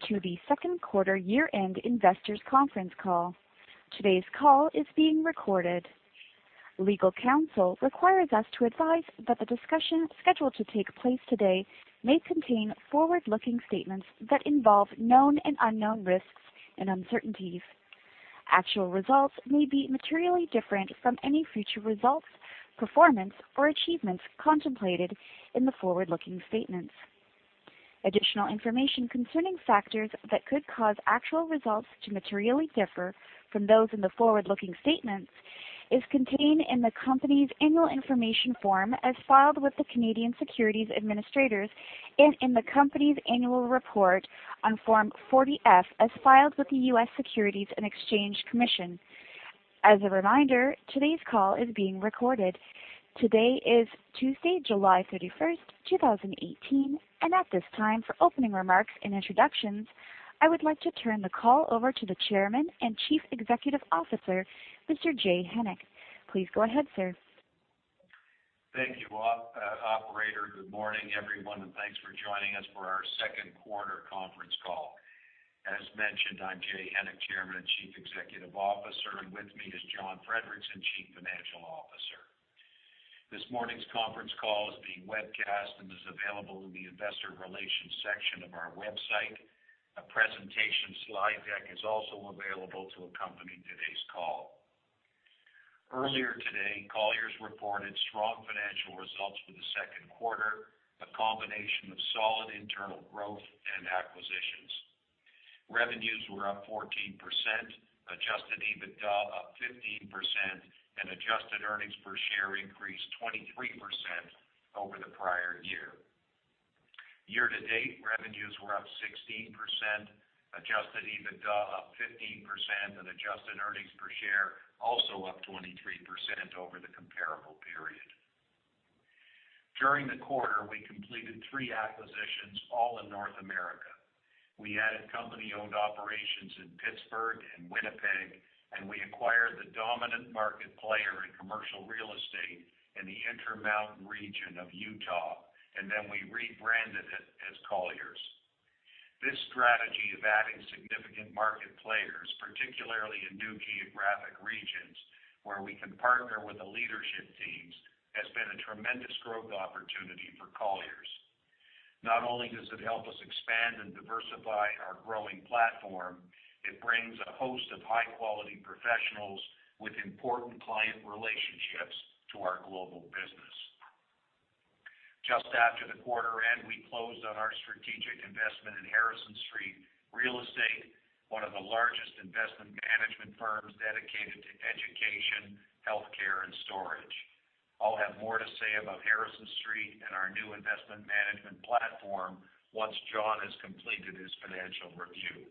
Welcome to the second quarter year-end investors' conference call. Today's call is being recorded. Legal counsel requires us to advise that the discussion scheduled to take place today may contain forward-looking statements that involve known and unknown risks and uncertainties. Actual results may be materially different from any future results, performance, or achievements contemplated in the forward-looking statements. Additional information concerning factors that could cause actual results to materially differ from those in the forward-looking statements is contained in the company's annual information form, as filed with the Canadian Securities Administrators, and in the company's annual report on Form 40-F, as filed with the U.S. Securities and Exchange Commission. As a reminder, today's call is being recorded. Today is Tuesday, July 31st, 2018, and at this time, for opening remarks and introductions, I would like to turn the call over to the Chairman and Chief Executive Officer, Mr. Jay Hennick. Please go ahead, sir. Thank you, operator. Good morning, everyone, and thanks for joining us for our second quarter conference call. As mentioned, I'm Jay Hennick, Chairman and Chief Executive Officer, and with me is John Friedrichsen, Chief Financial Officer. This morning's conference call is being webcast and is available in the investor relations section of our website. A presentation slide deck is also available to accompany today's call. Earlier today, Colliers reported strong financial results for the second quarter, a combination of solid internal growth and acquisitions. Revenues were up 14%, adjusted EBITDA up 15%, and adjusted earnings per share increased 23% over the prior year. Year-to-date, revenues were up 16%, adjusted EBITDA up 15%, and adjusted earnings per share also up 23% over the comparable period. During the quarter, we completed three acquisitions, all in North America. We added company-owned operations in Pittsburgh and Winnipeg, and we acquired the dominant market player in commercial real estate in the Intermountain Region of Utah, and then we rebranded it as Colliers. This strategy of adding significant market players, particularly in new geographic regions where we can partner with the leadership teams, has been a tremendous growth opportunity for Colliers. Not only does it help us expand and diversify our growing platform, it brings a host of high-quality professionals with important client relationships to our global business. Just after the quarter end, we closed on our strategic investment in Harrison Street Real Estate, one of the largest investment management firms dedicated to education, healthcare, and storage. I'll have more to say about Harrison Street and our new investment management platform once John has completed his financial review.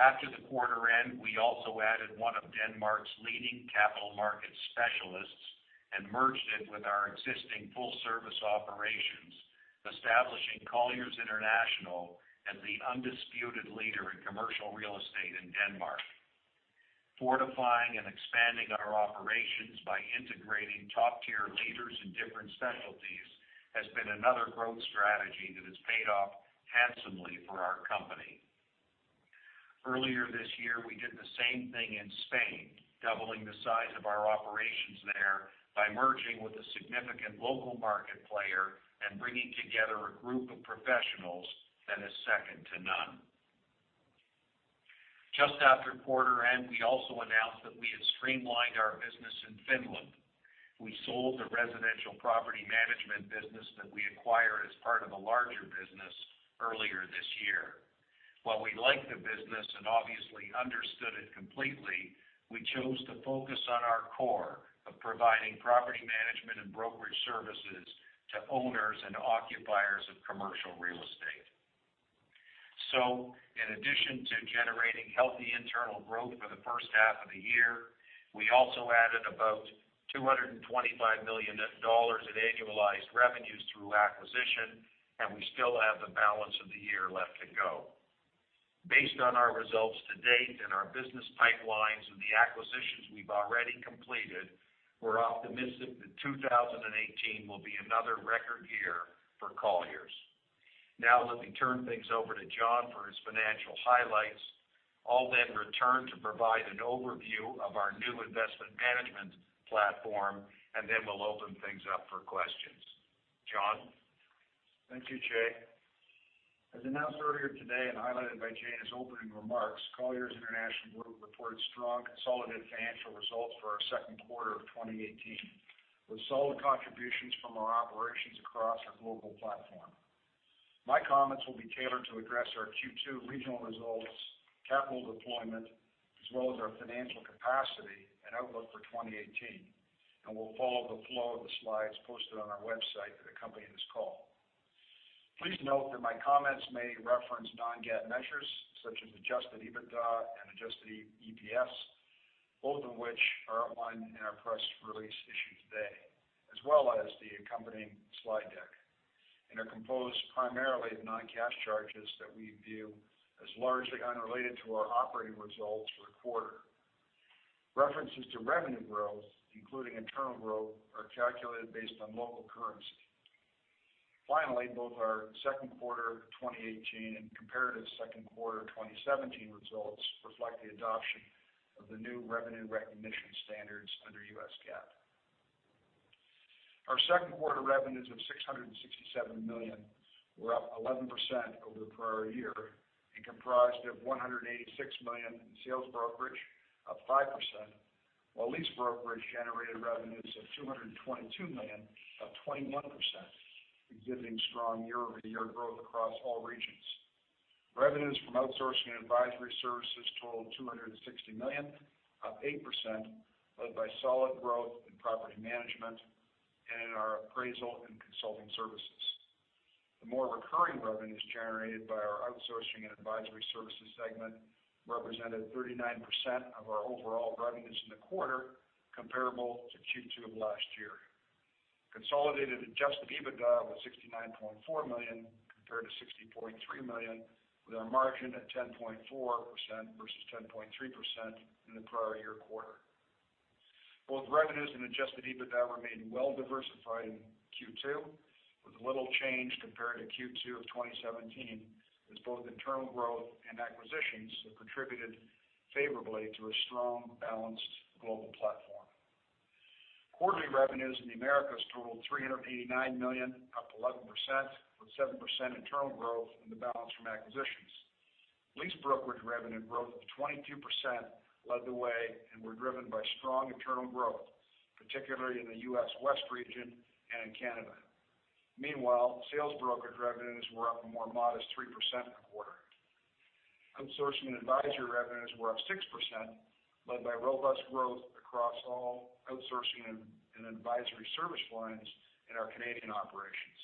After the quarter end, we also added one of Denmark's leading capital market specialists and merged it with our existing full-service operations, establishing Colliers International as the undisputed leader in commercial real estate in Denmark. Fortifying and expanding our operations by integrating top-tier leaders in different specialties has been another growth strategy that has paid off handsomely for our company. Earlier this year, we did the same thing in Spain, doubling the size of our operations there by merging with a significant local market player and bringing together a group of professionals that is second to none. Just after quarter end, we also announced that we had streamlined our business in Finland. We sold the residential property management business that we acquired as part of a larger business earlier this year. While we liked the business and obviously understood it completely, we chose to focus on our core of providing property management and brokerage services to owners and occupiers of commercial real estate. In addition to generating healthy internal growth for the first half of the year, we also added about $225 million in annualized revenues through acquisition, and we still have the balance of the year left to go. Based on our results to date and our business pipelines and the acquisitions we've already completed, we're optimistic that 2018 will be another record year for Colliers. Let me turn things over to John for his financial highlights. I'll return to provide an overview of our new investment management platform, and we'll open things up for questions. John? Thank you, Jay. As announced earlier today and highlighted by Jay in his opening remarks, Colliers International Group reported strong consolidated financial results for our second quarter of 2018, with solid contributions from our operations across our global platform. My comments will be tailored to address our Q2 regional results, capital deployment, as well as our financial capacity and outlook for 2018, and will follow the flow of the slides posted on our website that accompany this call. Please note that my comments may reference non-GAAP measures such as adjusted EBITDA and adjusted EPS, both of which are outlined in our press release issued today, as well as the accompanying slide deck, and are composed primarily of non-cash charges that we view as largely unrelated to our operating results for the quarter. References to revenue growth, including internal growth, are calculated based on local currency. Both our second quarter 2018 and comparative second quarter 2017 results reflect the adoption of the new revenue recognition standards under U.S. GAAP. Our second quarter revenues of $667 million were up 11% over the prior year and comprised of $186 million in sales brokerage, up 5%, while lease brokerage generated revenues of $222 million, up 21%, exhibiting strong year-over-year growth across all regions. Revenues from outsourcing and advisory services totaled $260 million, up 8%, led by solid growth in property management and in our appraisal and consulting services. The more recurring revenues generated by our outsourcing and advisory services segment represented 39% of our overall revenues in the quarter, comparable to Q2 of last year. Consolidated adjusted EBITDA was $69.4 million compared to $60.3 million, with our margin at 10.4% versus 10.3% in the prior year quarter. Both revenues and adjusted EBITDA remained well-diversified in Q2, with little change compared to Q2 of 2017, as both internal growth and acquisitions have contributed favorably to a strong, balanced global platform. Quarterly revenues in the Americas totaled $389 million, up 11%, with 7% internal growth and the balance from acquisitions. Lease brokerage revenue growth of 22% led the way and were driven by strong internal growth, particularly in the U.S. West region and in Canada. Meanwhile, sales brokerage revenues were up a more modest 3% in the quarter. Outsourcing and advisory revenues were up 6%, led by robust growth across all outsourcing and advisory service lines in our Canadian operations.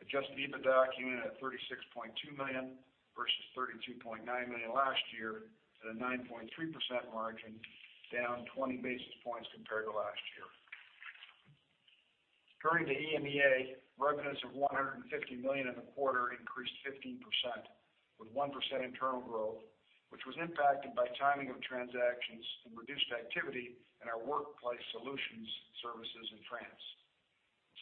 Adjusted EBITDA came in at $36.2 million versus $32.9 million last year at a 9.3% margin, down 20 basis points compared to last year. Turning to EMEA, revenues of $150 million in the quarter increased 15%, with 1% internal growth, which was impacted by timing of transactions and reduced activity in our Workplace Solutions services in France.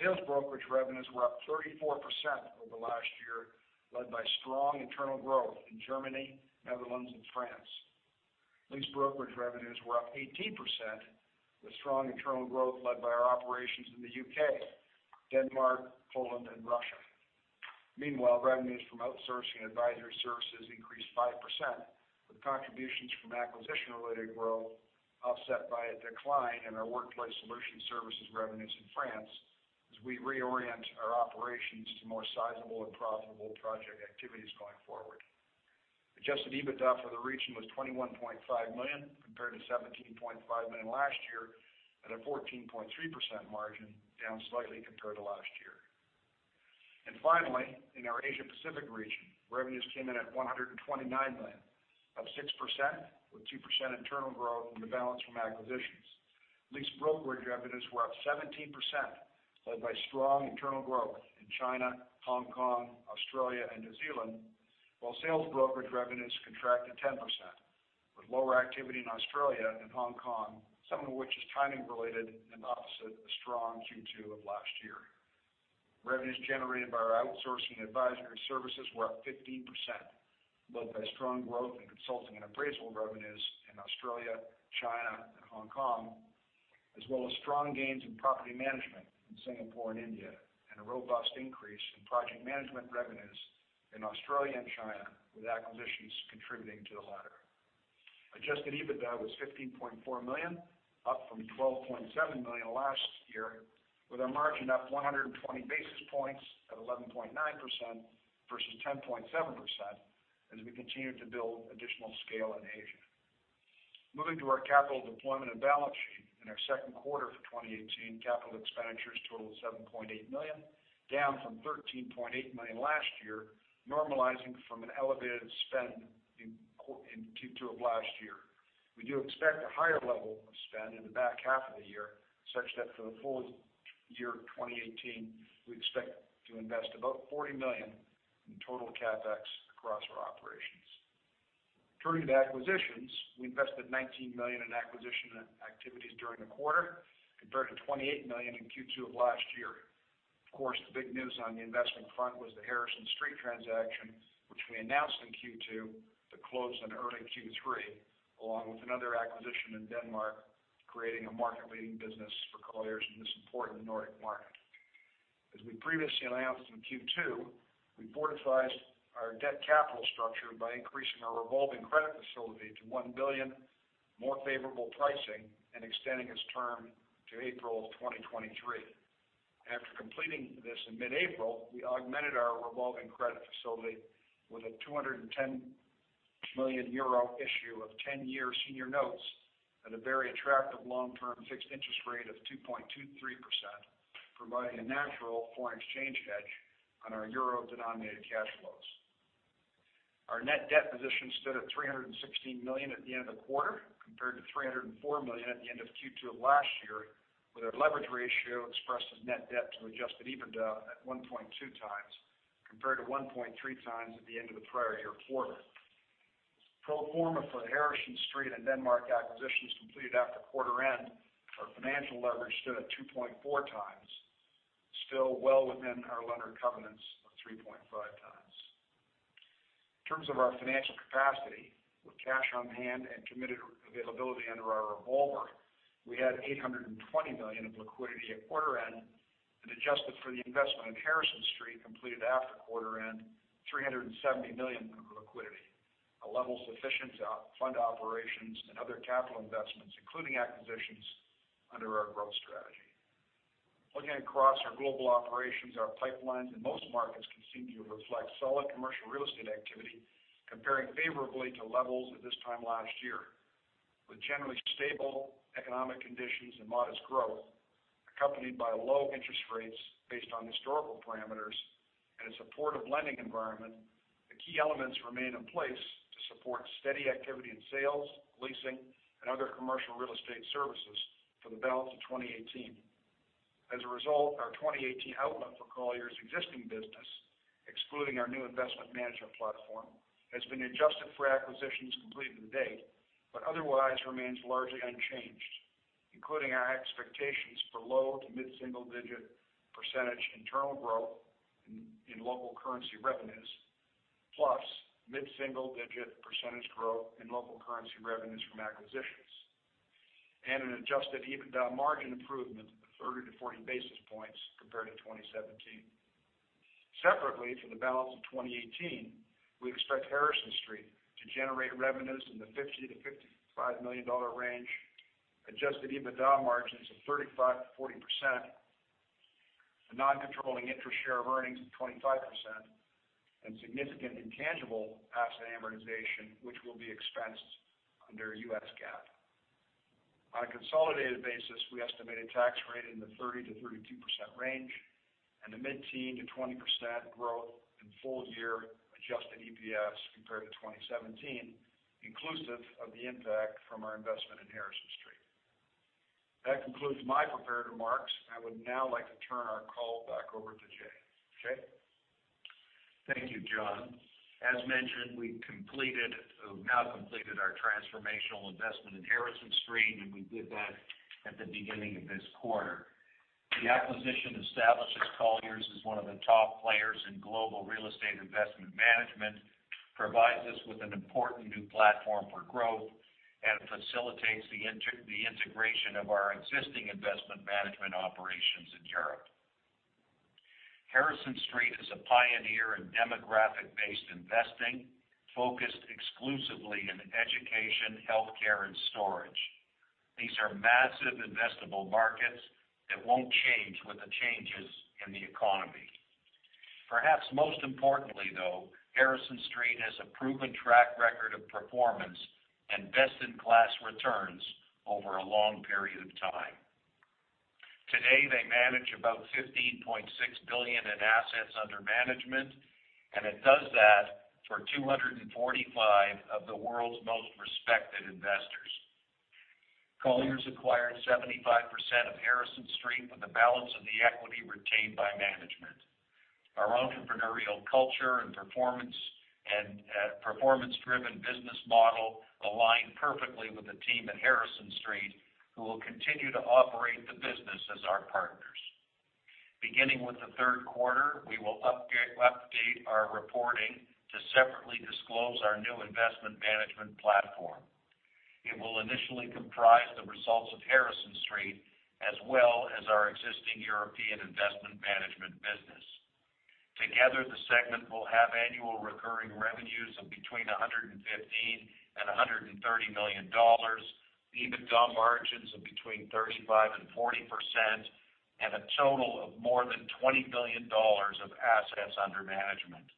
Sales brokerage revenues were up 34% over last year, led by strong internal growth in Germany, Netherlands, and France. Lease brokerage revenues were up 18%, with strong internal growth led by our operations in the U.K., Denmark, Poland, and Russia. Meanwhile, revenues from outsourcing and advisory services increased 5%, with contributions from acquisition-related growth offset by a decline in our Workplace Solutions services revenues in France, as we reorient our operations to more sizable and profitable project activities going forward. Adjusted EBITDA for the region was $21.5 million compared to $17.5 million last year at a 14.3% margin, down slightly compared to last year. Finally, in our Asia Pacific region, revenues came in at $129 million, up 6%, with 2% internal growth and the balance from acquisitions. Lease brokerage revenues were up 17%, led by strong internal growth in China, Hong Kong, Australia, and New Zealand. While sales brokerage revenues contracted 10%, with lower activity in Australia and Hong Kong, some of which is timing related and opposite the strong Q2 of last year. Revenues generated by our outsourcing and advisory services were up 15%, led by strong growth in consulting and appraisal revenues in Australia, China, and Hong Kong, as well as strong gains in property management in Singapore and India, and a robust increase in project management revenues in Australia and China, with acquisitions contributing to the latter. Adjusted EBITDA was $15.4 million, up from $12.7 million last year, with our margin up 120 basis points at 11.9% versus 10.7% as we continued to build additional scale in Asia. Moving to our capital deployment and balance sheet. In our second quarter for 2018, capital expenditures totaled $7.8 million, down from $13.8 million last year, normalizing from an elevated spend in Q2 of last year. We do expect a higher level of spend in the back half of the year, such that for the full year 2018, we expect to invest about $40 million in total CapEx across our operations. Turning to acquisitions, we invested $19 million in acquisition activities during the quarter compared to $28 million in Q2 of last year. Of course, the big news on the investment front was the Harrison Street transaction, which we announced in Q2 that closed in early Q3, along with another acquisition in Denmark, creating a market-leading business for Colliers in this important Nordic market. As we previously announced in Q2, we fortified our debt capital structure by increasing our revolving credit facility to $1 billion, more favorable pricing, and extending its term to April 2023. After completing this in mid-April, we augmented our revolving credit facility with a 210 million euro issue of 10-year senior notes at a very attractive long-term fixed interest rate of 2.23%, providing a natural foreign exchange hedge on our EUR-denominated cash flows. Our net debt position stood at $316 million at the end of the quarter, compared to $304 million at the end of Q2 of last year, with our leverage ratio expressed as net debt to adjusted EBITDA at 1.2 times. Compared to 1.3 times at the end of the prior year quarter. Pro forma for the Harrison Street and Denmark acquisitions completed after quarter end, our financial leverage stood at 2.4 times, still well within our lender covenants of 3.5 times. In terms of our financial capacity, with cash on hand and committed availability under our revolver, we had $820 million of liquidity at quarter end, and adjusted for the investment in Harrison Street completed after quarter end, $370 million of liquidity, a level sufficient to fund operations and other capital investments, including acquisitions under our growth strategy. Looking across our global operations, our pipelines in most markets continue to reflect solid commercial real estate activity, comparing favorably to levels at this time last year. With generally stable economic conditions and modest growth, accompanied by low interest rates based on historical parameters and a supportive lending environment, the key elements remain in place to support steady activity in sales, leasing, and other commercial real estate services for the balance of 2018. As a result, our 2018 outlook for Colliers' existing business, excluding our new investment management platform, has been adjusted for acquisitions completed to date, but otherwise remains largely unchanged, including our expectations for low to mid-single digit % internal growth in local currency revenues, plus mid-single digit % growth in local currency revenues from acquisitions, and an adjusted EBITDA margin improvement of 30 to 40 basis points compared to 2017. Separately, for the balance of 2018, we expect Harrison Street to generate revenues in the $50 million-$55 million range, adjusted EBITDA margins of 35%-40%, a non-controlling interest share of earnings of 25%, and significant intangible asset amortization, which will be expensed under U.S. GAAP. On a consolidated basis, we estimate a tax rate in the 30%-32% range, and a mid-teen to 20% growth in full year adjusted EPS compared to 2017, inclusive of the impact from our investment in Harrison Street. That concludes my prepared remarks. I would now like to turn our call back over to Jay. Jay? Thank you, John. As mentioned, we've now completed our transformational investment in Harrison Street, and we did that at the beginning of this quarter. The acquisition establishes Colliers as one of the top players in global real estate investment management, provides us with an important new platform for growth, and facilitates the integration of our existing investment management operations in Europe. Harrison Street is a pioneer in demographic-based investing, focused exclusively in education, healthcare, and storage. These are massive investable markets that won't change with the changes in the economy. Perhaps most importantly, though, Harrison Street has a proven track record of performance and best-in-class returns over a long period of time. Today, they manage about $15.6 billion in assets under management, and it does that for 245 of the world's most respected investors. Colliers acquired 75% of Harrison Street, with the balance of the equity retained by management. Our entrepreneurial culture and performance-driven business model align perfectly with the team at Harrison Street, who will continue to operate the business as our partners. Beginning with the third quarter, we will update our reporting to separately disclose our new investment management platform. It will initially comprise the results of Harrison Street, as well as our existing European investment management business. Together, the segment will have annual recurring revenues of between $115 million and $130 million, EBITDA margins of between 35% and 40%, and a total of more than $20 billion of assets under management.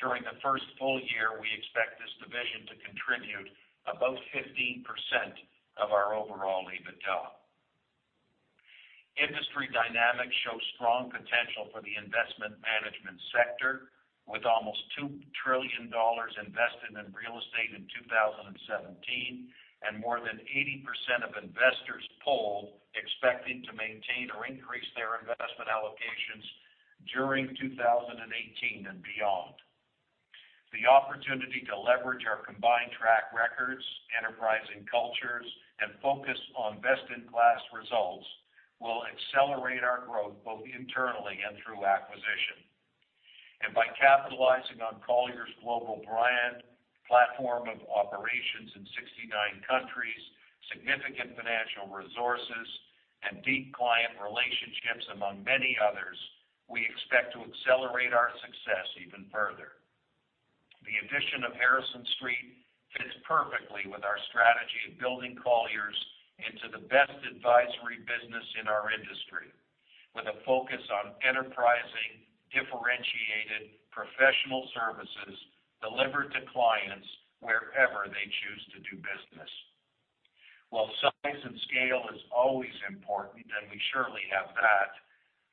During the first full year, we expect this division to contribute about 15% of our overall EBITDA. Industry dynamics show strong potential for the investment management sector, with almost $2 trillion invested in real estate in 2017, and more than 80% of investors polled expecting to maintain or increase their investment allocations during 2018 and beyond. The opportunity to leverage our combined track records, enterprising cultures, and focus on best-in-class results will accelerate our growth both internally and through acquisition. By capitalizing on Colliers' global brand, platform of operations in 69 countries, significant financial resources, and deep client relationships, among many others, we expect to accelerate our success even further. The addition of Harrison Street fits perfectly with our strategy of building Colliers into the best advisory business in our industry, with a focus on enterprising, differentiated professional services delivered to clients wherever they choose to do business. While size and scale is always important, and we surely have that,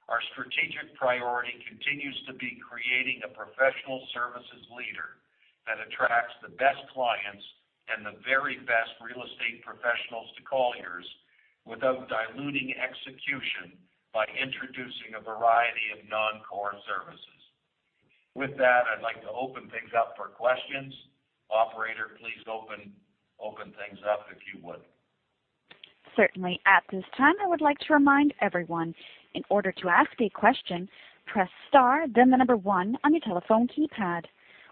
our strategic priority continues to be creating a professional services leader. That attracts the best clients and the very best real estate professionals to Colliers without diluting execution by introducing a variety of non-core services. With that, I'd like to open things up for questions. Operator, please open things up, if you would. Certainly. At this time, I would like to remind everyone, in order to ask a question, press star then the number one on your telephone keypad.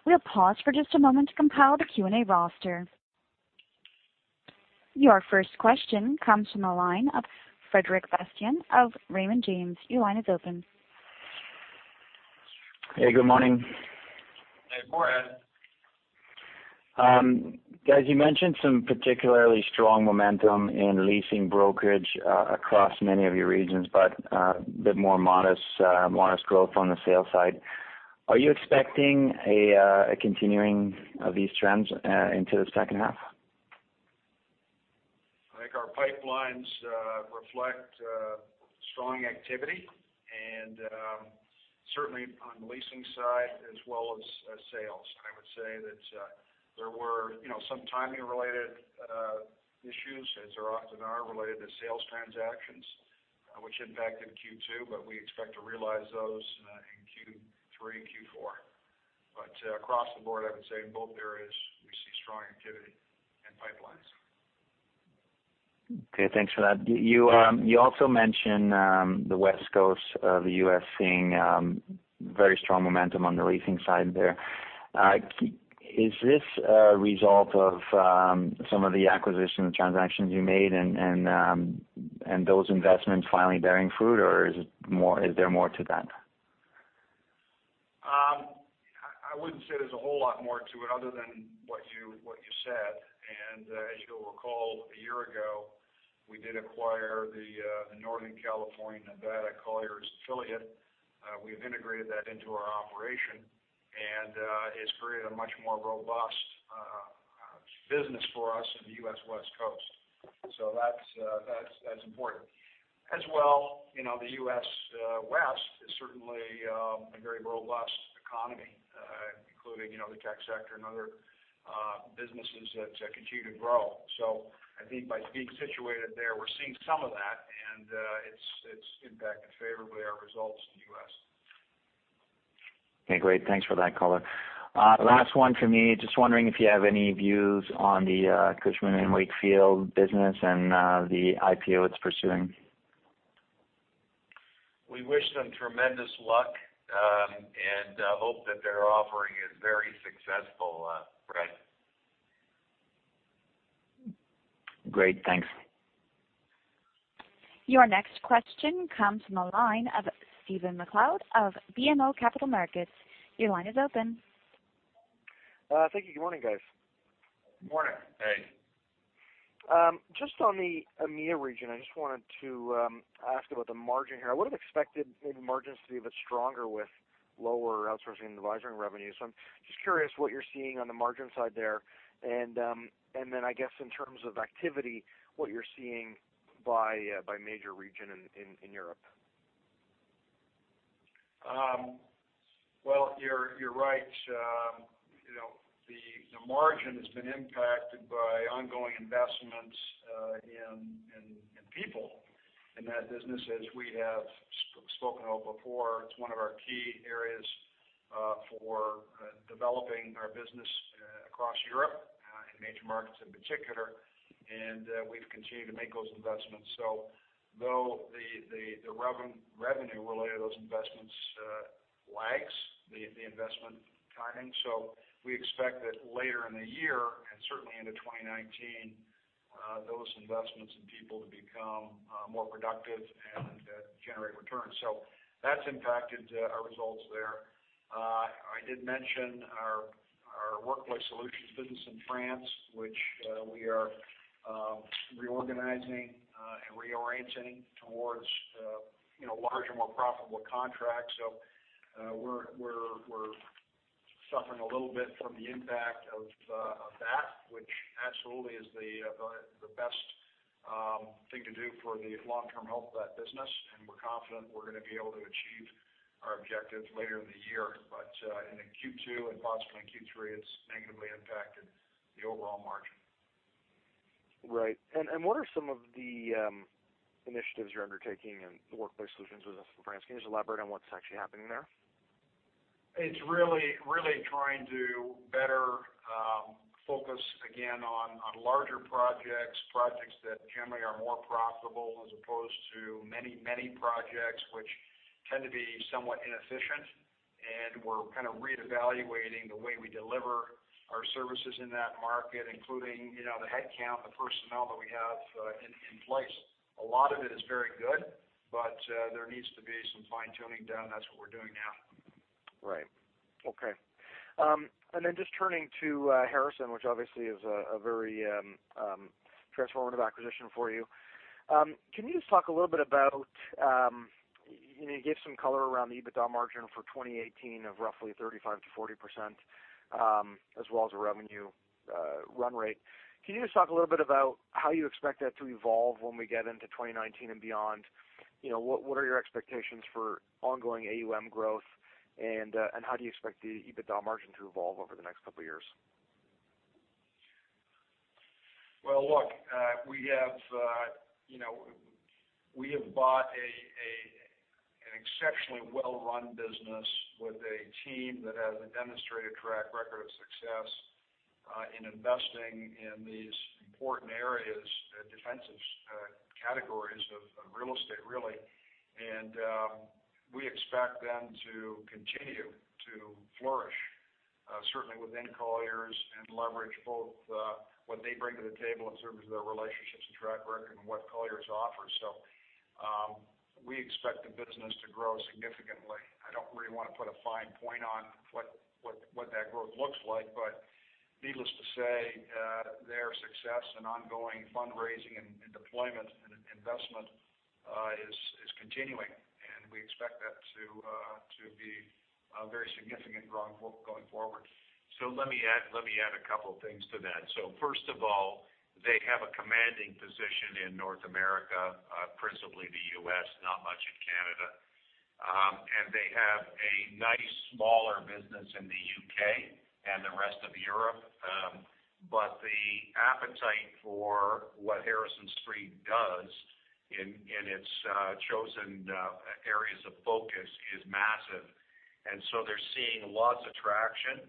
We'll pause for just a moment to compile the Q&A roster. Your first question comes from the line of Frederic Bastien of Raymond James. Your line is open. Hey, good morning. Hey, Fred. As you mentioned, some particularly strong momentum in leasing brokerage across many of your regions, but a bit more modest growth on the sales side. Are you expecting a continuing of these trends into the second half? I think our pipelines reflect strong activity, certainly on the leasing side as well as sales. I would say that there were some timing-related issues, as there often are related to sales transactions, which impacted Q2, we expect to realize those in Q3 and Q4. Across the board, I would say in both areas, we see strong activity in pipelines. Okay, thanks for that. Yeah. You also mentioned the West Coast of the U.S. seeing very strong momentum on the leasing side there. Is this a result of some of the acquisition transactions you made and those investments finally bearing fruit, or is there more to that? I wouldn't say there's a whole lot more to it other than what you said. As you'll recall, a year ago, we did acquire the Northern California, Nevada Colliers affiliate. We've integrated that into our operation, and it's created a much more robust business for us in the U.S. West Coast. That's important. As well, the U.S. West is certainly a very robust economy, including the tech sector and other businesses that continue to grow. I think by being situated there, we're seeing some of that, and it's impacted favorably our results in the U.S. Okay, great. Thanks for that color. Okay. Last one from me. Just wondering if you have any views on the Cushman & Wakefield business and the IPO it's pursuing. We wish them tremendous luck, and hope that their offering is very successful, Fred. Great. Thanks. Your next question comes from the line of Stephen MacLeod of BMO Capital Markets. Your line is open. Thank you. Good morning, guys. Good morning. Hey. Just on the EMEA region, I just wanted to ask about the margin here. I would've expected maybe the margins to be a bit stronger with lower outsourcing and advisory revenues. I'm just curious what you're seeing on the margin side there, and then I guess in terms of activity, what you're seeing by major region in Europe. You're right. The margin has been impacted by ongoing investments in people in that business. As we have spoken about before, it's one of our key areas for developing our business across Europe, in major markets in particular, and we've continued to make those investments. Though the revenue related to those investments lags the investment timing. We expect that later in the year, and certainly into 2019, those investments in people to become more productive and generate returns. That's impacted our results there. I did mention our Workplace Solutions business in France, which we are reorganizing and reorienting towards larger, more profitable contracts. We're suffering a little bit from the impact of that, which absolutely is the best thing to do for the long-term health of that business, and we're confident we're going to be able to achieve our objectives later in the year. In Q2 and possibly in Q3, it's negatively impacted the overall margin. Right. What are some of the initiatives you're undertaking in the Workplace Solutions business in France? Can you just elaborate on what's actually happening there? It's really trying to better focus again on larger projects that generally are more profitable as opposed to many projects, which tend to be somewhat inefficient. We're kind of reevaluating the way we deliver our services in that market, including the headcount, the personnel that we have in place. A lot of it is very good, but there needs to be some fine-tuning done. That's what we're doing now. Right. Okay. Just turning to Harrison, which obviously is a very transformative acquisition for you. Can you just talk a little bit about You gave some color around the EBITDA margin for 2018 of roughly 35%-40%, as well as a revenue run rate. Can you just talk a little bit about how you expect that to evolve when we get into 2019 and beyond? What are your expectations for ongoing AUM growth, and how do you expect the EBITDA margin to evolve over the next couple of years? Well, look, we have bought an exceptionally well-run business with a team that has a demonstrated track record of success in investing in these important areas, defensive categories of real estate, really. We expect them to continue to flourish, certainly within Colliers, and leverage both what they bring to the table in terms of their relationships and track record and what Colliers offers. We expect the business to grow significantly. I don't really want to put a fine point on what that growth looks like, but needless to say, their success and ongoing fundraising and deployment and investment is continuing, and we expect that to be a very significant growth going forward. Let me add a couple things to that. First of all, they have a commanding position in North America, principally the U.S., not much in Canada. They have a nice smaller business in the U.K. and the rest of Europe. The appetite for what Harrison Street does in its chosen areas of focus is massive. They're seeing lots of traction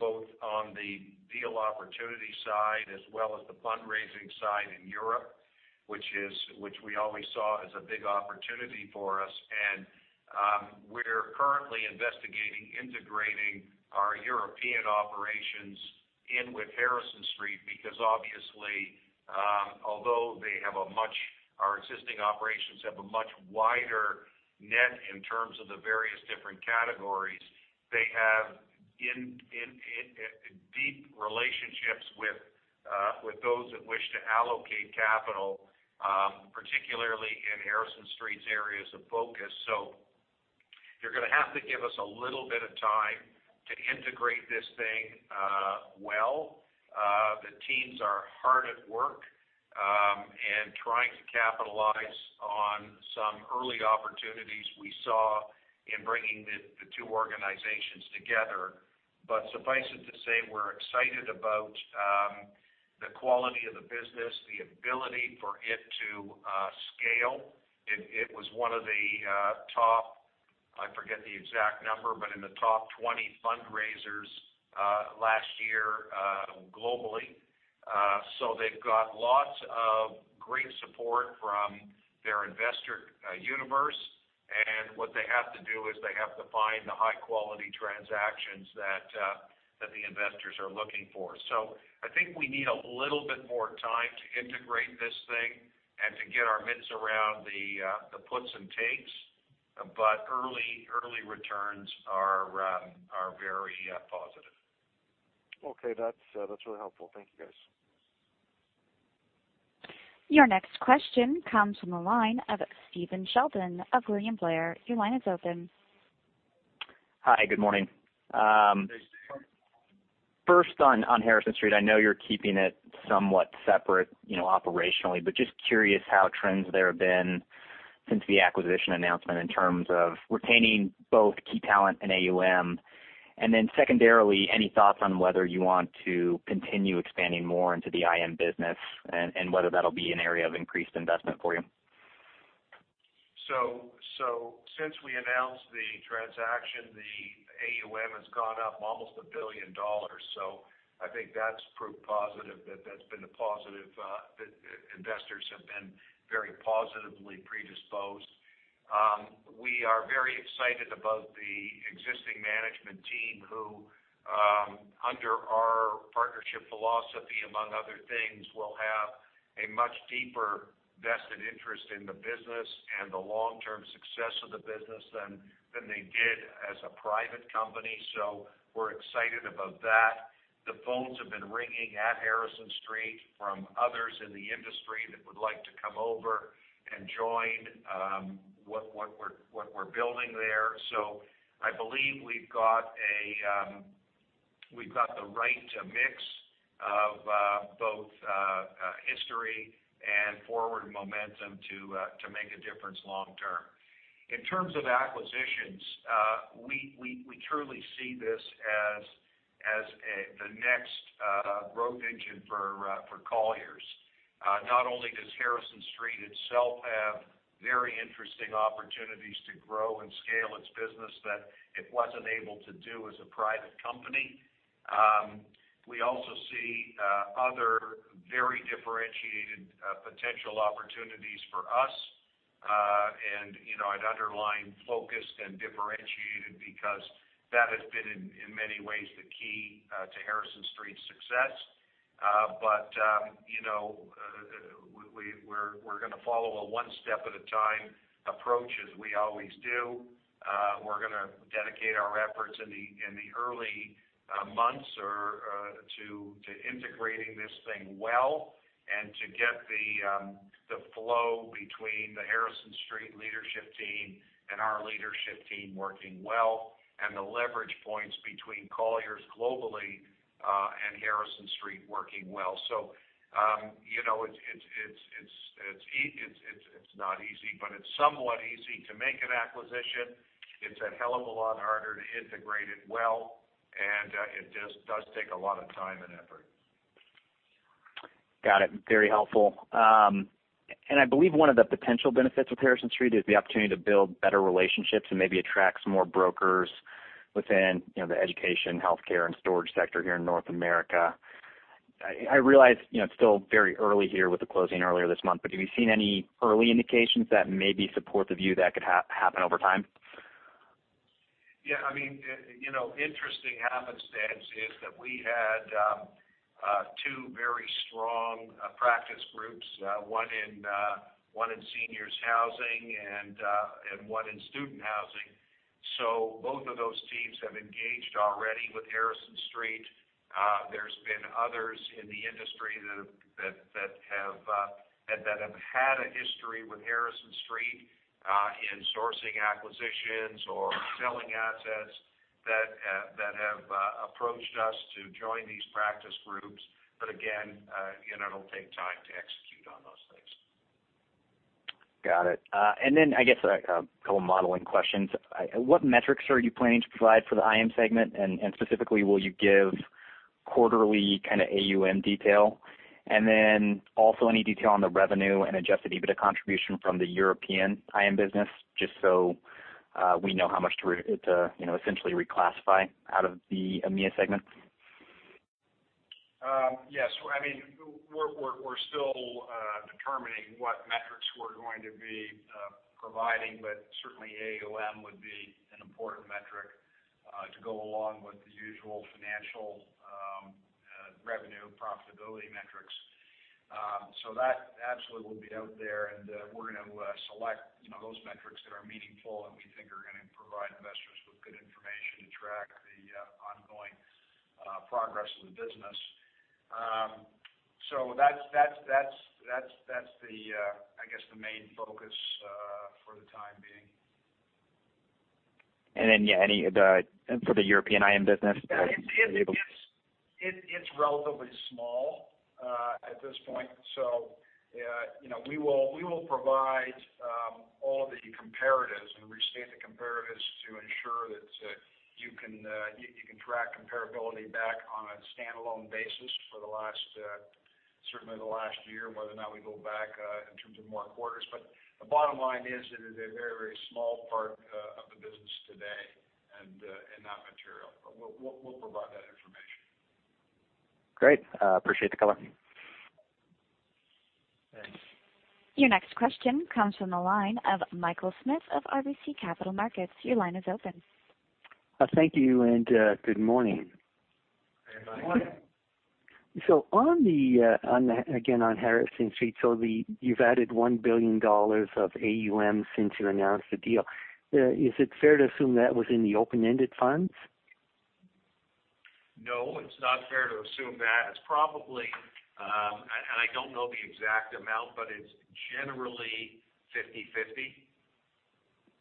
both on the deal opportunity side as well as the fundraising side in Europe, which we always saw as a big opportunity for us. We're currently investigating integrating our European operations in with Harrison Street because obviously, although our existing operations have a much wider net in terms of the various different categories, they have deep relationships with those that wish to allocate capital, particularly in Harrison Street's areas of focus. You're going to have to give us a little bit of time to integrate this thing well. The teams are hard at work and trying to capitalize on some early opportunities we saw in bringing the two organizations together. Suffice it to say, we're excited about the quality of the business, the ability for it to scale. It was one of the top, I forget the exact number, but in the top 20 fundraisers last year globally. They've got lots of great support from their investor universe, and what they have to do is they have to find the high-quality transactions that the investors are looking for. I think we need a little bit more time to integrate this thing and to get our heads around the puts and takes. Early returns are very positive. Okay. That's really helpful. Thank you, guys. Your next question comes from the line of Stephen Sheldon of William Blair. Your line is open. Hi. Good morning. Hey, Stephen. First on Harrison Street, I know you're keeping it somewhat separate operationally, but just curious how trends there have been since the acquisition announcement in terms of retaining both key talent and AUM. Secondarily, any thoughts on whether you want to continue expanding more into the IM business and whether that'll be an area of increased investment for you? Since we announced the transaction, the AUM has gone up almost $1 billion. I think that's proved positive, that investors have been very positively predisposed. We are very excited about the existing management team who under our partnership philosophy among other things, will have a much deeper vested interest in the business and the long-term success of the business than they did as a private company. We're excited about that. The phones have been ringing at Harrison Street from others in the industry that would like to come over and join what we're building there. I believe we've got the right mix of both history and forward momentum to make a difference long term. In terms of acquisitions, we truly see this as the next growth engine for Colliers. Not only does Harrison Street itself have very interesting opportunities to grow and scale its business that it wasn't able to do as a private company. We also see other very differentiated potential opportunities for us. I'd underline focused and differentiated because that has been in many ways the key to Harrison Street's success. We're going to follow a one step at a time approach as we always do. We're going to dedicate our efforts in the early months to integrating this thing well and to get the flow between the Harrison Street leadership team and our leadership team working well and the leverage points between Colliers globally, and Harrison Street working well. It's not easy, but it's somewhat easy to make an acquisition. It's a hell of a lot harder to integrate it well. It just does take a lot of time and effort. Got it. Very helpful. I believe one of the potential benefits with Harrison Street is the opportunity to build better relationships and maybe attract some more brokers within the education, healthcare, and storage sector here in North America. I realize it's still very early here with the closing earlier this month, but have you seen any early indications that maybe support the view that could happen over time? Yeah. Interesting happenstance is that we had two very strong practice groups, one in seniors housing and one in student housing. Both of those teams have engaged already with Harrison Street. There's been others in the industry that have had a history with Harrison Street in sourcing acquisitions or selling assets that have approached us to join these practice groups. Again, it'll take time to execute on those things. Got it. I guess a couple modeling questions. What metrics are you planning to provide for the IM segment, and specifically, will you give quarterly kind of AUM detail? Also any detail on the revenue and adjusted EBITDA contribution from the European IM business, just so we know how much to essentially reclassify out of the EMEA segment. Yes. We're still determining what metrics we're going to be providing, but certainly AUM would be an important metric to go along with the usual financial revenue profitability metrics. That absolutely will be out there, and we're going to select those metrics that are meaningful and we think are going to provide investors with good information to track the ongoing progress of the business. That's the main focus for the time being. Yeah, for the European IM business. It's relatively small at this point. We will provide all the comparatives and restate the comparatives to ensure that you can track comparability back on a standalone basis for certainly the last year, whether or not we go back in terms of more quarters. The bottom line is, it is a very small part of the business today and not material. We'll provide that information. Great. Appreciate the color. Thanks. Your next question comes from the line of Michael Smith of RBC Capital Markets. Your line is open. Thank you. Good morning. Good morning. Again, on Harrison Street, so you've added $1 billion of AUM since you announced the deal. Is it fair to assume that was in the open-ended funds? No, it's not fair to assume that. It's probably, and I don't know the exact amount, but it's generally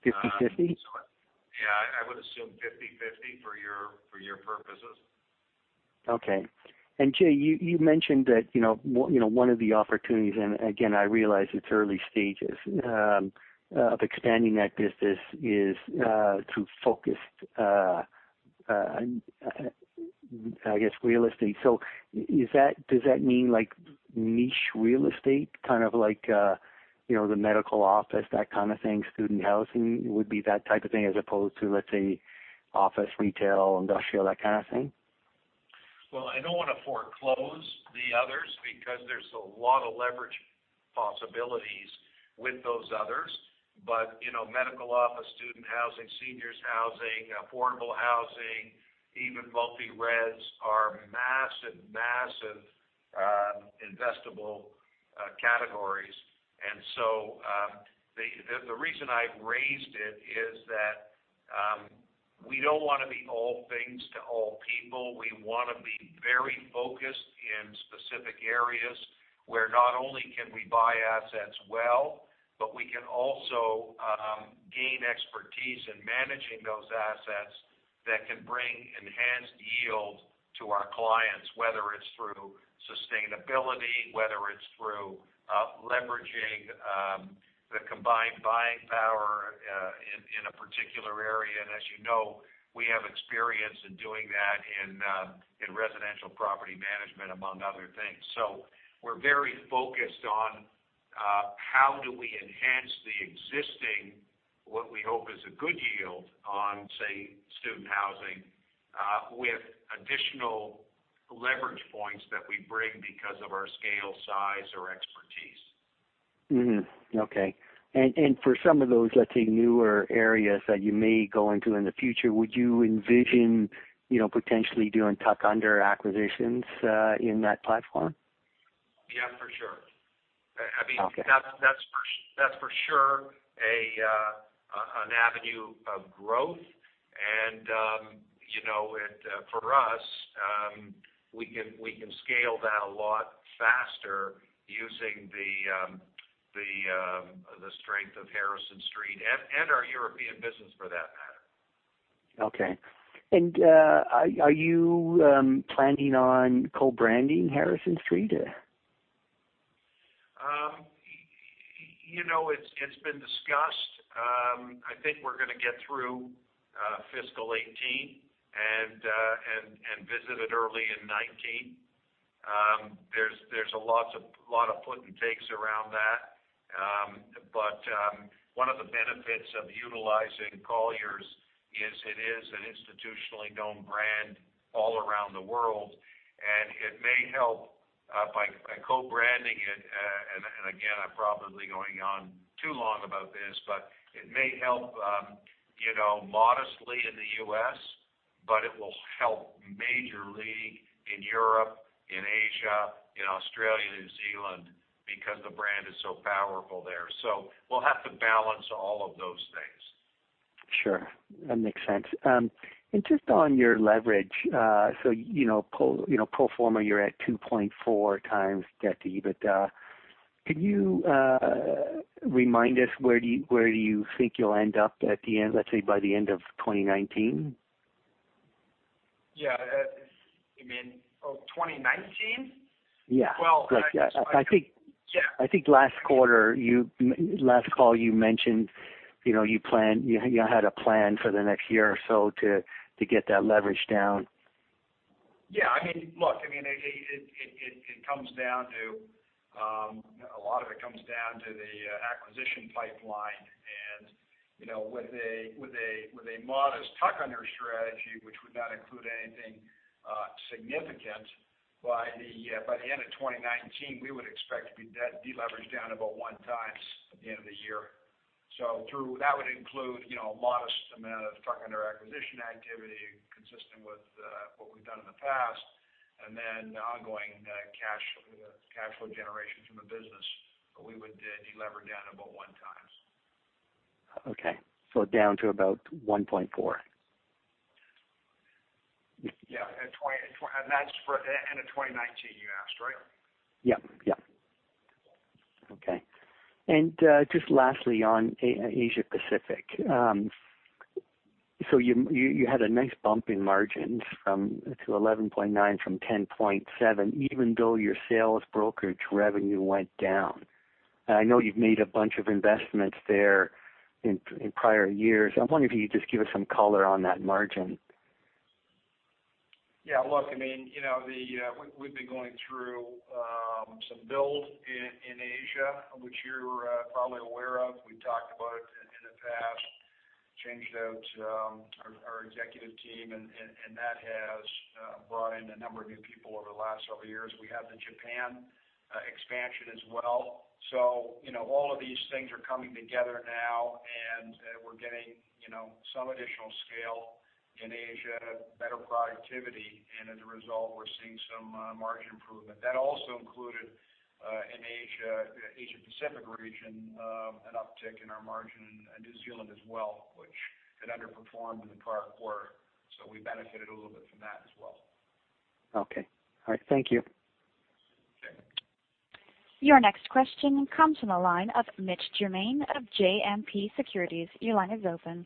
50/50. 50/50? Yeah, I would assume 50/50 for your purposes. Okay. Jay, you mentioned that one of the opportunities, again, I realize it's early stages of expanding that business is through focused real estate. Does that mean like niche real estate, kind of like the medical office, that kind of thing, student housing would be that type of thing as opposed to, let's say, office, retail, industrial, that kind of thing? Well, I don't want to foreclose the others because there's a lot of leverage possibilities with those others. Medical office, student housing, seniors housing, affordable housing, even multi-res are massive investable categories. The reason I've raised it is that we don't want to be all things to all people. We want to be very focused in specific areas where not only can we buy assets well, but we can also gain expertise in managing those assets that can bring enhanced yield to our clients, whether it's through sustainability, whether it's through leveraging the combined buying power in a particular area. As you know, we have experience in doing that in residential property management, among other things. We're very focused on how do we enhance the existing, what we hope is a good yield on, say, student housing, with additional leverage points that we bring because of our scale, size, or expertise. Mm-hmm. Okay. For some of those, let's say, newer areas that you may go into in the future, would you envision potentially doing tuck-under acquisitions in that platform? Yeah, for sure. Okay. That's for sure an avenue of growth. For us, we can scale that a lot faster using the strength of Harrison Street and our European business for that matter. Okay. Are you planning on co-branding Harrison Street? It's been discussed. I think we're going to get through fiscal 2018 and visit it early in 2019. There's a lot of put and takes around that. One of the benefits of utilizing Colliers is it is an institutionally known brand all around the world, and it may help by co-branding it. Again, I'm probably going on too long about this, but it may help modestly in the U.S., but it will help majorly in Europe, in Asia, in Australia, New Zealand, because the brand is so powerful there. We'll have to balance all of those things. Sure. That makes sense. Just on your leverage, so pro forma, you're at 2.4x debt to EBITDA. Could you remind us where do you think you'll end up, let's say, by the end of 2019? Yeah. You mean 2019? Yeah. Well. I think. Yeah last call you mentioned you had a plan for the next year or so to get that leverage down. Yeah. Look, a lot of it comes down to the acquisition pipeline and, with a modest tuck-under strategy, which would not include anything significant, by the end of 2019, we would expect to be leveraged down about one times at the end of the year. That would include a modest amount of tuck-under acquisition activity consistent with what we've done in the past, and then the ongoing cash flow generation from the business. We would de-leverage down about one times. Okay. Down to about 1.4. Yeah. At the end of 2019, you asked, right? Yep. Okay. Just lastly on Asia Pacific. You had a nice bump in margins to 11.9 from 10.7, even though your sales brokerage revenue went down. I know you've made a bunch of investments there in prior years. I wonder if you could just give us some color on that margin. Yeah. Look, we've been going through some build in Asia, which you're probably aware of. We've talked about it in the past, changed out our executive team, that has brought in a number of new people over the last several years. We have the Japan expansion as well. All of these things are coming together now, we're getting some additional scale in Asia, better productivity, and as a result, we're seeing some margin improvement. That also included in Asia Pacific region an uptick in our margin in New Zealand as well, which had underperformed in the prior quarter. We benefited a little bit from that as well. Okay. All right. Thank you. Okay. Your next question comes from the line of Mitch Germain of JMP Securities. Your line is open.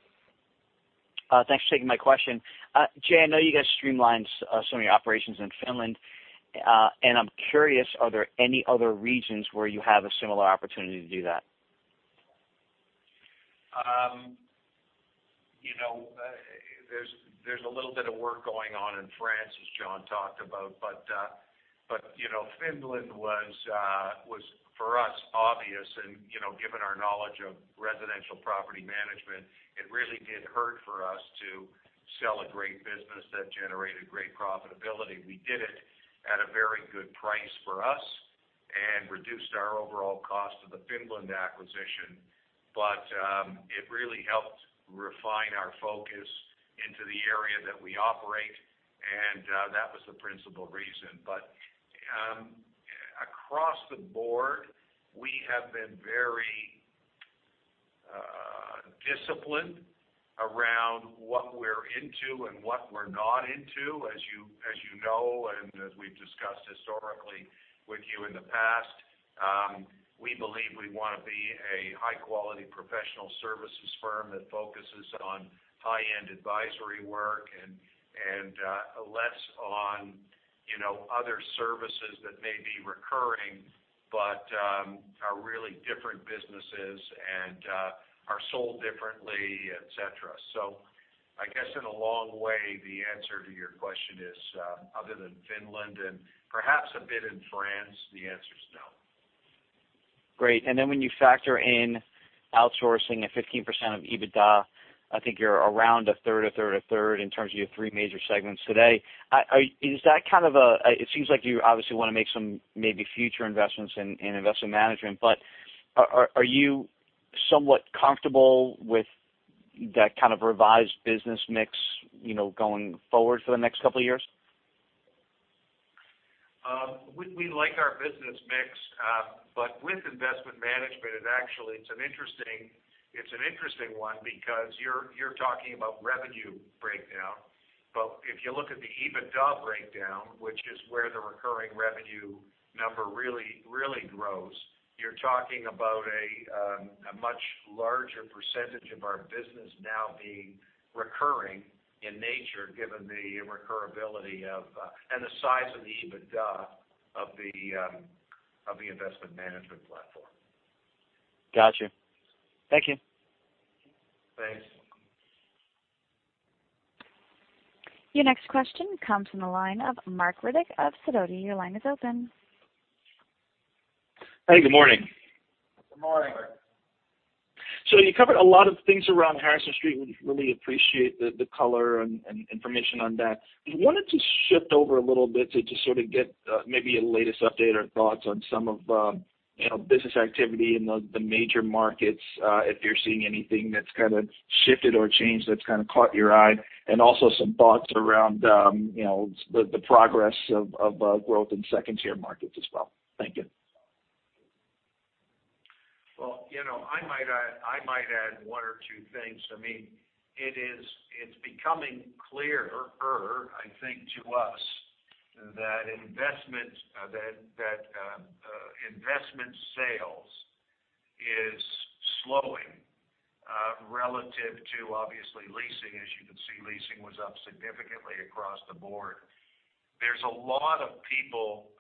Thanks for taking my question. Jay, I know you guys streamlined some of your operations in Finland, I'm curious, are there any other regions where you have a similar opportunity to do that? There's a little bit of work going on in France, as John talked about. Finland was, for us, obvious and, given our knowledge of residential property management, it really did hurt for us to sell a great business that generated great profitability. We did it at a very good price for us and reduced our overall cost of the Finland acquisition. It really helped refine our focus into the area that we operate, and that was the principal reason. Across the board, we have been very disciplined around what we're into and what we're not into, as you know, and as we've discussed historically with you in the past. We believe we want to be a high-quality professional services firm that focuses on high-end advisory work and less on other services that may be recurring but are really different businesses and are sold differently, et cetera. I guess in a long way, the answer to your question is other than Finland and perhaps a bit in France, the answer's no. Great. When you factor in outsourcing at 15% of EBITDA, I think you're around a third, a third, a third in terms of your three major segments today. It seems like you obviously want to make some maybe future investments in investment management, are you somewhat comfortable with that kind of revised business mix going forward for the next couple of years? We like our business mix. With investment management, it's an interesting one because you're talking about revenue breakdown. If you look at the EBITDA breakdown, which is where the recurring revenue number really grows, you're talking about a much larger percentage of our business now being recurring in nature, given the recurability and the size of the EBITDA of the investment management platform. Got you. Thank you. Thanks. Your next question comes from the line of Marc Riddick of Sidoti. Your line is open. Hey, good morning. Good morning. You covered a lot of things around Harrison Street. We really appreciate the color and information on that. We wanted to shift over a little bit to just sort of get maybe a latest update or thoughts on some of business activity in the major markets, if you're seeing anything that's kind of shifted or changed that's kind of caught your eye. Also some thoughts around the progress of growth in 2-tier markets as well. Thank you. Well, I might add one or two things. To me, it's becoming clearer, I think, to us, that investment sales is slowing relative to, obviously, leasing. As you can see, leasing was up significantly across the board. There's a lot of people,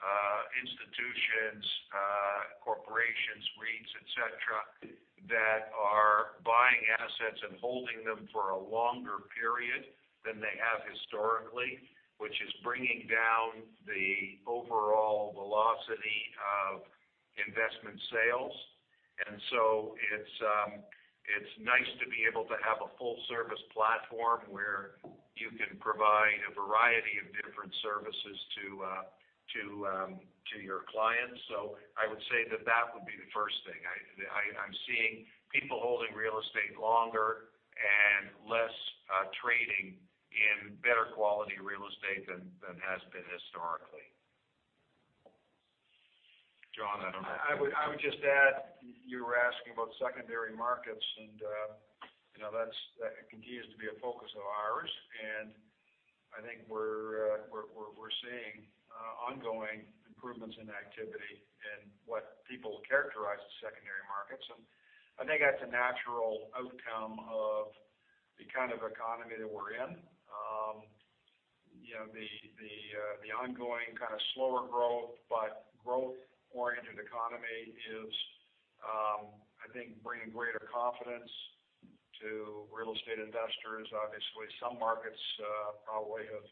institutions, corporations, REITs, et cetera, that are buying assets and holding them for a longer period than they have historically, which is bringing down the overall velocity of investment sales. It's nice to be able to have a full-service platform where you can provide a variety of different services to your clients. I would say that would be the first thing. I'm seeing people holding real estate longer and less trading in better quality real estate than has been historically. John, I don't know if you I would just add, you were asking about 2-tier markets, that continues to be a focus of ours, and I think we're seeing ongoing improvements in activity in what people characterize as 2-tier markets. I think that's a natural outcome of the kind of economy that we're in. The ongoing kind of slower growth, but growth-oriented economy is, I think, bringing greater confidence to real estate investors. Obviously, some markets probably have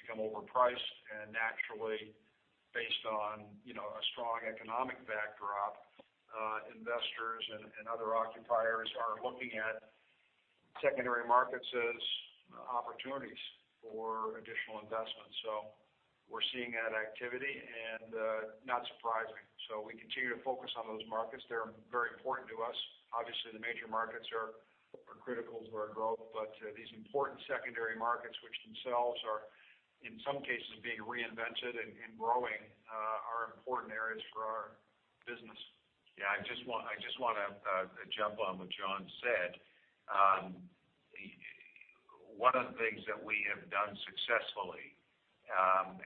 become overpriced and naturally, based on a strong economic backdrop, investors and other occupiers are looking at 2-tier markets as opportunities for additional investment. We're seeing that activity, and not surprising. We continue to focus on those markets. They're very important to us. Obviously, the major markets are critical to our growth. These important 2-tier markets, which themselves are, in some cases, being reinvented and growing, are important areas for our business. Yeah, I just want to jump on what John said. One of the things that we have done successfully,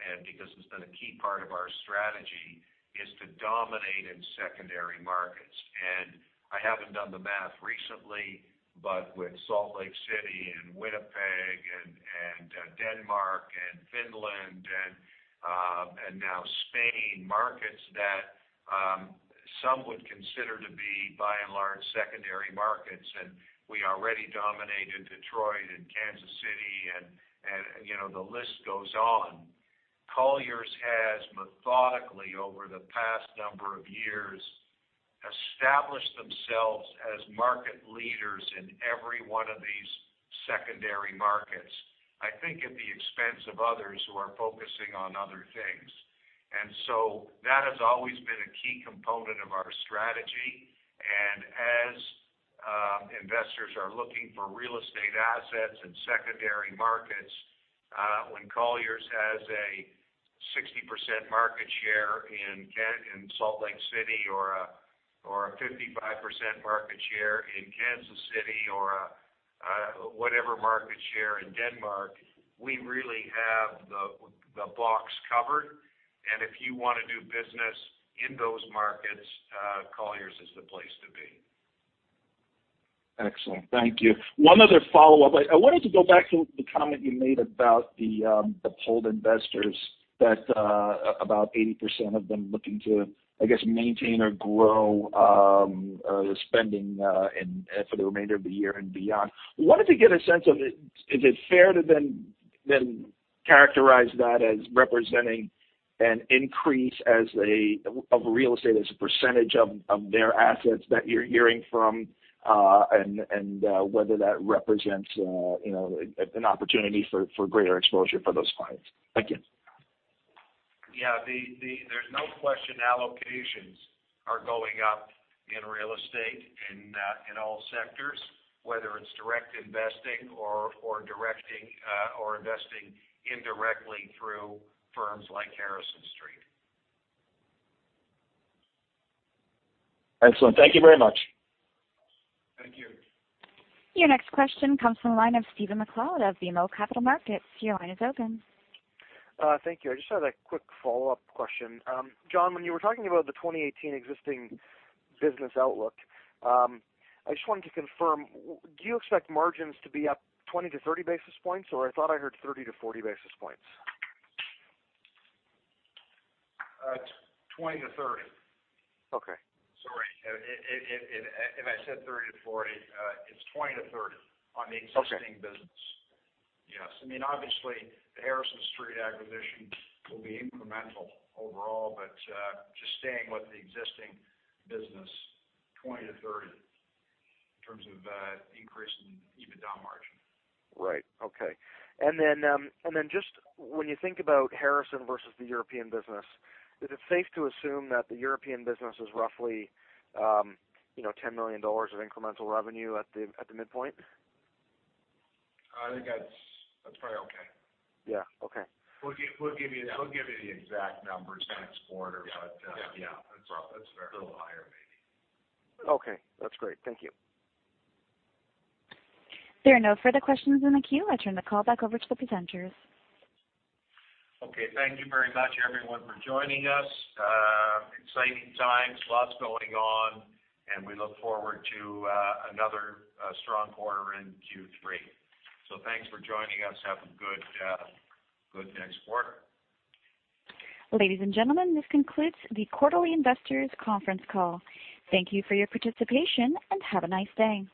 and because it's been a key part of our strategy, is to dominate in secondary markets. I haven't done the math recently, but with Salt Lake City and Winnipeg and Denmark and Finland and now Spain, markets that some would consider to be by and large secondary markets. We already dominate in Detroit and Kansas City, and the list goes on. Colliers has methodically, over the past number of years, established themselves as market leaders in every one of these secondary markets, I think at the expense of others who are focusing on other things. That has always been a key component of our strategy. As investors are looking for real estate assets in secondary markets, when Colliers has a 60% market share in Salt Lake City or a 55% market share in Kansas City or a whatever market share in Denmark, we really have the box covered. If you want to do business in those markets, Colliers is the place to be. Excellent. Thank you. One other follow-up. I wanted to go back to the comment you made about the polled investors, that about 80% of them looking to, I guess, maintain or grow their spending for the remainder of the year and beyond. I wanted to get a sense of, is it fair to then characterize that as representing an increase of real estate as a percentage of their assets that you're hearing from, and whether that represents an opportunity for greater exposure for those clients? Thank you. Yeah. There's no question allocations are going up in real estate in all sectors, whether it's direct investing or investing indirectly through firms like Harrison Street. Excellent. Thank you very much. Thank you. Your next question comes from the line of Stephen MacLeod of BMO Capital Markets. Your line is open. Thank you. I just had a quick follow-up question. John, when you were talking about the 2018 existing business outlook, I just wanted to confirm, do you expect margins to be up 20-30 basis points, or I thought I heard 30-40 basis points. 20 to 30. Okay. Sorry if I said 30 to 40. It's 20 to 30 on the existing business. Okay. Yes. Obviously, the Harrison Street acquisition will be incremental overall, just staying with the existing business, 20 to 30 in terms of increase in EBITDA margin. Right. Okay. Just when you think about Harrison versus the European business, is it safe to assume that the European business is roughly $10 million of incremental revenue at the midpoint? I think that's probably okay. Yeah. Okay. We'll give you the exact numbers next quarter, but yeah. Yeah. That's roughly. A little higher, maybe. Okay. That's great. Thank you. There are no further questions in the queue. I turn the call back over to the presenters. Okay. Thank you very much, everyone, for joining us. Exciting times. Lots going on. We look forward to another strong quarter in Q3. Thanks for joining us. Have a good next quarter. Ladies and gentlemen, this concludes the quarterly investors' conference call. Thank you for your participation, and have a nice day.